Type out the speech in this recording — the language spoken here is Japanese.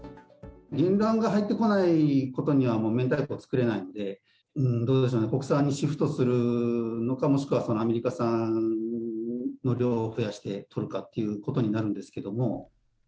原卵が入ってこないことには、もう明太子作れないんで、どうでしょうね、国産にシフトするのか、もしくはアメリカ産の量を増やして取るかということになるんですけども。